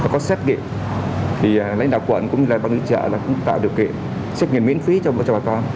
có xét nghiệm thì lấy đạo quận cũng như là băng ưu trợ là cũng tạo điều kiện xét nghiệm miễn phí cho bà con